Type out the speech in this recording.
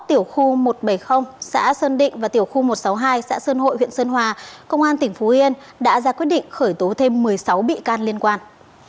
tiểu khu một trăm bảy mươi xã sơn định và tiểu khu một trăm sáu mươi hai xã sơn hội huyện sơn hòa công an tỉnh phú yên đã ra quyết định khởi tố thêm một mươi sáu bị can liên quan